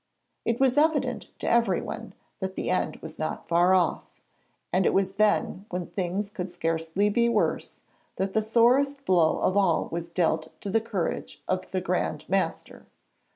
It was evident to everyone that the end was not far off, and it was then, when things could scarcely be worse, that the sorest blow of all was dealt to the courage of the Grand Master.